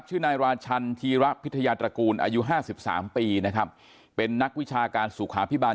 ชื่อนายราชันธีระพิทยาตระกูลอายุห้าสิบสามปีนะครับเป็นนักวิชาการสุขาพิบาล